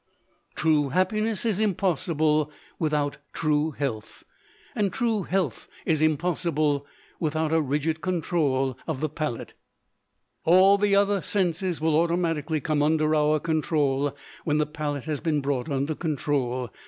True happiness is impossible without true health, and true health is impossible without a rigid control of the palate. All the other senses will automatically come under our control when the palate has been brought under control.